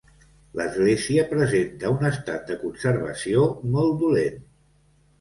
L'església presenta un estat de conservació molt dolent.